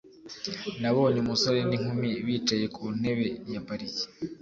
Nabonye umusore n'inkumi bicaye ku ntebe ya parike.